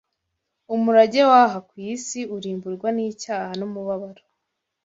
umurage w’aha ku isi urimburwa n’icyaha n’umubabaro